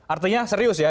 artinya serius ya